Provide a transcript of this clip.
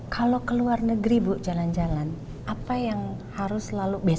kalau ke luar negeri bu jalan jalan apa yang harus selalu besok